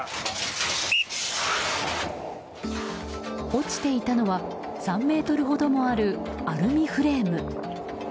落ちていたのは３ｍほどもあるアルミフレーム。